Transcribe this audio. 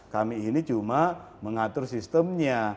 kami ini cuma mengatur sistemnya